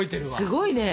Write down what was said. すごいね。